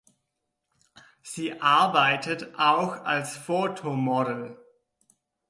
Sie arbeitet auch als Fotomodel.